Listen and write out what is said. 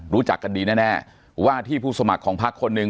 รู้จักกันดีแน่ว่าที่ผู้สมัครของพักคนหนึ่ง